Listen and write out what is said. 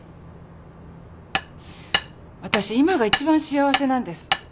私今が一番幸せなんです